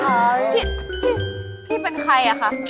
อุ๊ยนี่มันอะไร